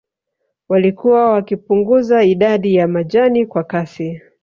Walikuwa wakipunguza idadi ya majani kwa kasi